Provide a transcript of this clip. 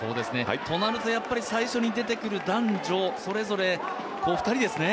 となると最初に出てくる男女それぞれ２人ですね。